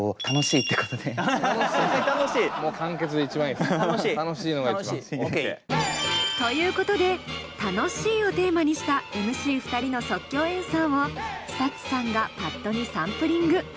楽しいのが一番！ということで「楽しい」をテーマにしたＭＣ２人の即興演奏をＳＴＵＴＳさんがパッドにサンプリング。